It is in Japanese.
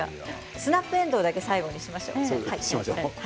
スナップえんどうだけ最後にしましょう。